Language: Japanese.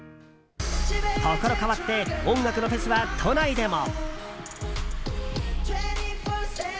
ところ変わって音楽のフェスは都内でも。